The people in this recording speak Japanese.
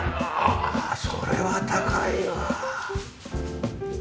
あらそれは高いわ。